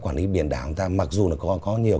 quản lý biển đảo người ta mặc dù có nhiều